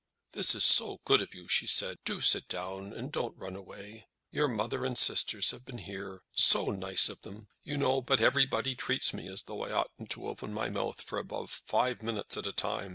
"This is so good of you," she said. "Do sit down; and don't run away. Your mother and sisters have been here, so nice of them, you know; but everybody treats me as though I oughtn't to open my mouth for above five minutes at a time.